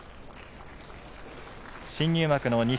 新入幕の錦